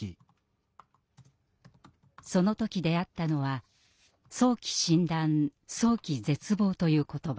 その時出会ったのは「早期診断早期絶望」という言葉。